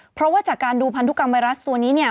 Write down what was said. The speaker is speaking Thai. เพราะการดูภัณฑุกรรมไวรัสตัวนี้เนี่ย